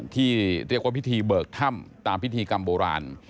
ที่เรียกว่าพิธีเบิกถ้ำตามพิธีกรรมโบราณ